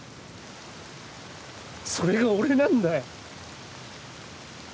それが俺なんだよ！